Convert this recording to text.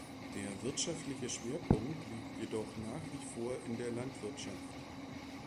Der wirtschaftliche Schwerpunkt liegt jedoch nach wie vor in der Landwirtschaft.